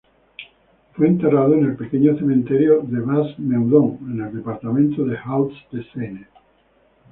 Fue enterrado en el pequeño cementerio de Bas Meudon en el departamento de Hauts-de-Seine.